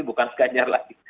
bukan sganjar lagi